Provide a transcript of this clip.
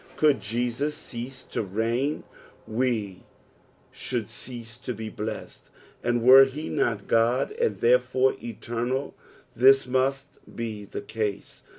Could Jesus cease to reign we should cease to be blessed, and were he not God, and therefore eternal, this must be the case.